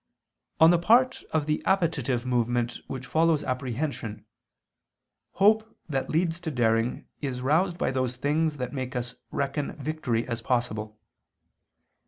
On the part of the appetitive movement which follows apprehension, hope that leads to daring is roused by those things that make us reckon victory as possible.